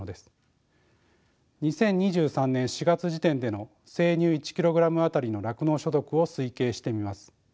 ２０２３年４月時点での生乳１ｋｇあたりの酪農所得を推計してみます。